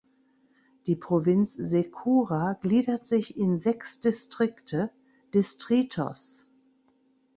Die Provinz Sechura gliedert sich in sechs Distrikte "(Distritos)".